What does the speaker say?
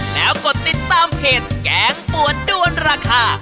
แล้วกดติดตามเพจแกงปวดด้วนราคา